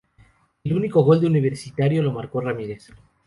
El único gol de Universitario lo marcó Ramírez.